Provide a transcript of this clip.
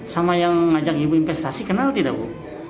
sama yang ngajak ibu investasi kenal tidak bu